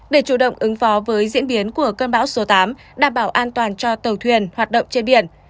để chủ động ứng phó với diễn biến của cơn bão số tám đảm bảo an toàn cho tàu thuyền hoạt động trên biển